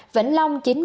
vĩnh long chín mươi